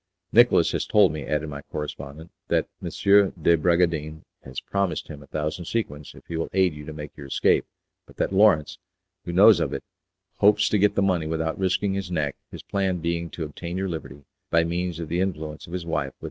"Nicolas has told me," added my correspondent, "that M. de Bragadin has promised him a thousand sequins if he will aid you to make your escape but that Lawrence, who knows of it, hopes to get the money without risking his neck, his plan being to obtain your liberty by means of the influence of his wife with M.